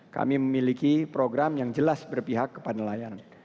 kami memiliki program yang jelas berpihak kepada nelayan